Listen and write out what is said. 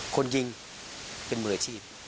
คนยิงเป็นมืออาชีพ